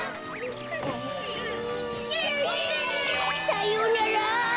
さようなら！